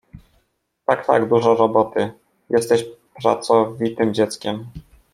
— Tak, tak, dużo roboty… jesteś pracowitym dzieckiem!